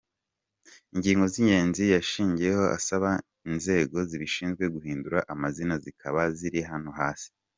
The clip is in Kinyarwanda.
Ingingo z’ingenzi yashingiyeho asaba inzego zibishinzwe guhindura amazina zikaba ziri hano hasi:.